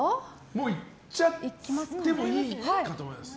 もういっちゃってもいいかと思います。